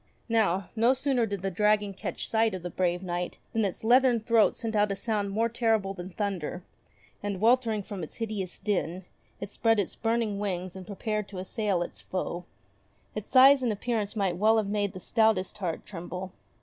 Now, no sooner did the dragon catch sight of the brave Knight than its leathern throat sent out a sound more terrible than thunder, and weltering from its hideous den, it spread its burning wings and prepared to assail its foe. 6 ENGLISH FAIRY TALES Its size and appearance might well have made the stoutest heart tremble.